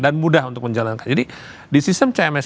dan mudah untuk menjalankan jadi di sistem cms